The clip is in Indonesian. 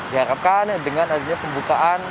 diharapkan dengan adanya pembukaan